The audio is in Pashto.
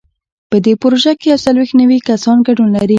په دې پروژه کې یو څلوېښت نوي کسان ګډون لري.